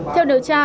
theo điều tra